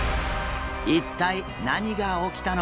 一体何が起きたのか？